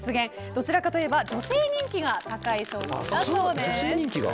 どちらかといえば女性人気が高いそうです。